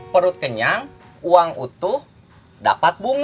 perut kenyang uang utuh dapat bunga